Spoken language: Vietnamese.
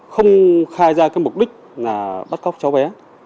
không khai ra cái mục đích là bắt cóc cháu bé